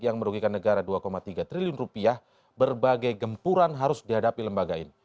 yang merugikan negara dua tiga triliun rupiah berbagai gempuran harus dihadapi lembaga ini